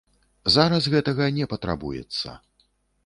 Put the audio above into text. Зараз гэтага не патрабуецца.